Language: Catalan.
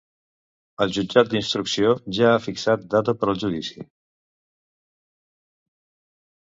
El jutjat d'instrucció ja ha fixat data per al judici.